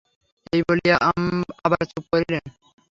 এই বলিয়া আবার চুপ করিলেন।